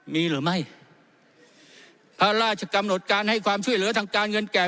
มีหรือไม่พระราชกำหนดการให้ความช่วยเหลือทางการเงินแก่